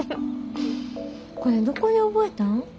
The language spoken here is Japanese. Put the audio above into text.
これどこで覚えたん？